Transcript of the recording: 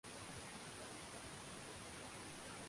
Jambo hili linawasumbua wale wanaojua historia yake